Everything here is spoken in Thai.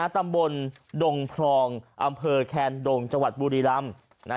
ตำบลดงพรองอำเภอแคนดงจังหวัดบุรีรำ